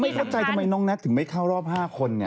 ไม่เข้าใจทำไมน้องแน็ตถึงไม่เข้ารอบ๕คนเนี่ย